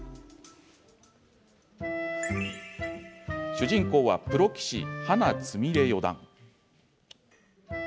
主人公はプロ棋士、花つみれ四段。